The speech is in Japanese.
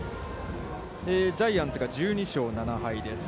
ジャイアンツが１２勝７敗です。